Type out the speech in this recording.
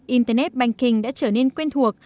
internet banking đã trở nên quen thuộc